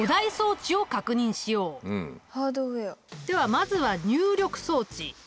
まずは入力装置。